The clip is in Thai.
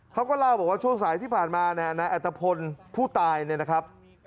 เขาก็เล่าบอกว่าช่วงสายที่ผ่านมาเนี่ยนายอัตภพลผู้ตายเนี่ยนะครับ